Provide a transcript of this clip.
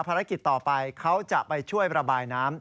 ภารกิจต่อไปเขาจะไปช่วยระบายน้ำ